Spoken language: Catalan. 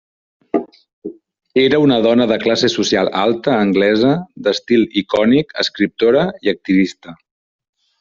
Era una dona de classe social alta anglesa, d'estil icònic, escriptora i activista.